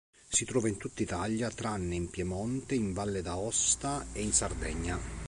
Si trova in tutta Italia tranne in Piemonte, in Valle d'Aosta e in Sardegna..